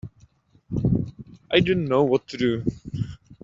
I didn't know what to do.